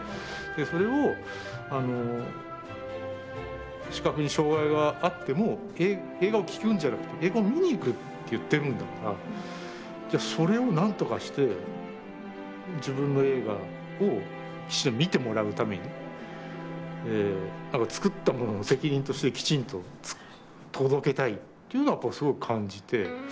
それを視覚に障がいがあっても映画を聴くんじゃなくて映画を観に行くっていってるんだからじゃあそれをなんとかして自分の映画を一緒に観てもらうために作った者の責任としてきちんと届けたいっていうのはすごく感じて。